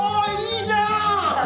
いいじゃん！